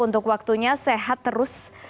untuk waktunya sehat terus